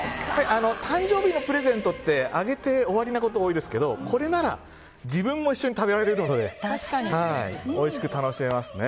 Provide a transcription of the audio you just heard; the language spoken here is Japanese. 誕生日のプレゼントってあげて終わりなことが多いですけどこれなら自分も一緒に食べられるということでおいしく楽しめますね。